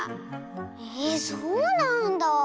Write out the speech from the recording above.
えそうなんだあ。